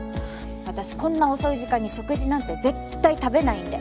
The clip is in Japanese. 私こんな遅い時間に食事なんて絶対食べないんで。